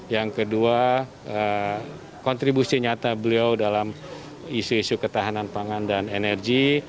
yang kedua kontribusi nyata beliau dalam isu isu ketahanan pangan dan energi